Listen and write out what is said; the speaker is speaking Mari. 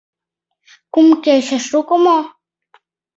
— Кум кече шуко мо?